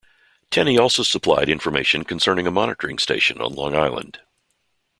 Tenney also supplied information concerning a monitoring station on Long Island.